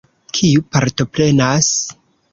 Kiu partoprenas?